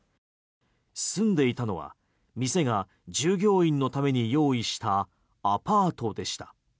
住んでいたのは店が従業員のために用意したアパートでした。